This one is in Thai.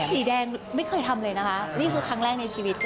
สีแดงไม่เคยทำเลยนะคะนี่คือครั้งแรกในชีวิตค่ะ